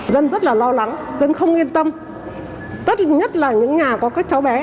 dân rất là lo lắng dân không yên tâm tất nhất là những nhà có các cháu bé